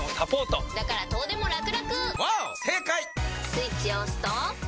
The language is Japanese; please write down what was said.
スイッチを押すと。